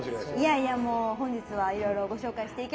いやいやもう本日はいろいろご紹介していければと思います。